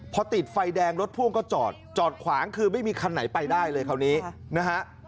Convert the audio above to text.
พอติดไฟแดงรถพ่วงก็จอดจอดขวางคือไม่มีคันไหนไปได้เลยคราวนี้นะฮะ